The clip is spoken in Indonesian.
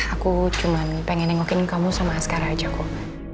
aku cuma pengen nengokin kamu sama askara aja kok